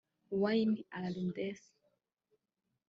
Wayne Arendse